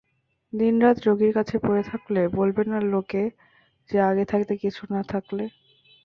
দিনরাত রোগীর কাছে পড়ে থাকলে বলবে না লোকে যে আগে থাকতে কিছু না থাকলে।